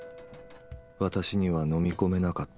私には飲み込めなかった。